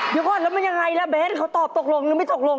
เดี๋ยวก่อนแล้วมันยังไงล่ะเบ้นเขาตอบตกลงหรือไม่ตกลง